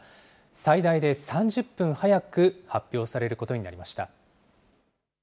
最大で３０分早く発表されることになりました。